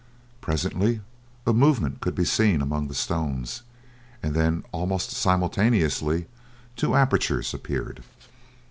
Presently a movement could be seen among the stones, and then almost simultaneously two apertures appeared.